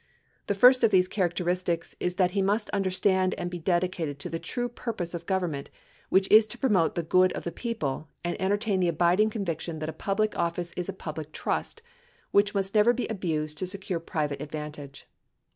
The first of these characteristics is that he must understand and be dedicated to the true purpose of government, which is to promote the good of the people, and entertain the abiding conviction that a public office is a public trust, which must never be abused to secure private advantage.